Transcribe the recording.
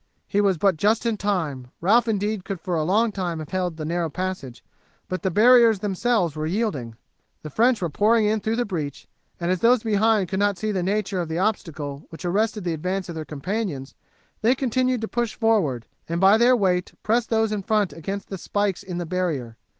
He was but just in time. Ralph indeed could for a long time have held the narrow passage, but the barriers themselves were yielding. The French were pouring in through the breach, and as those behind could not see the nature of the obstacle which arrested the advance of their companions they continued to push forward, and by their weight pressed those in front against the spikes in the barrier.